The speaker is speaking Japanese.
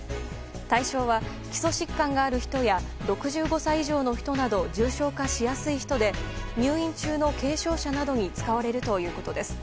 対象は基礎疾患がある人や６５歳以上の人など重症化しやすい人で入院中の軽症者などに使われるということです。